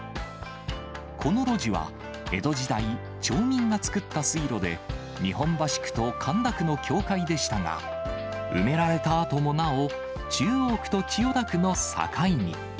この路地は、江戸時代、町民が作った水路で日本橋区と神田区の境界でしたが、埋められたあともなお、中央区と千代田区の境に。